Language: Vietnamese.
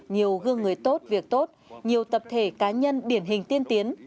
nhiều gương người tốt việc tốt nhiều tập thể cá nhân điển hình tiên tiến